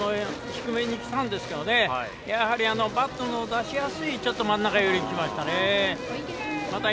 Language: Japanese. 低めに来たんですがやはりバットの出しやすい真ん中寄りに来ました。